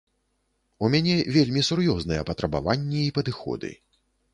У мяне вельмі сур'ёзныя патрабаванні і падыходы.